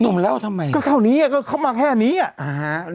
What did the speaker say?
นุ่มแล้วทำไมก็เท่านี้อ่ะก็เข้ามาแค่นี้อ่ะอ่าฮะ